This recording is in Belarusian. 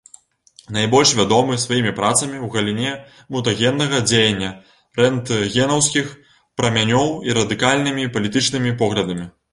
Найбольш вядомы сваімі працамі ў галіне мутагеннага дзеяння рэнтгенаўскіх прамянёў і радыкальнымі палітычнымі поглядамі.